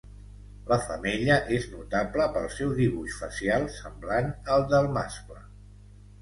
La femella és notable pel seu dibuix facial semblant al de mascle.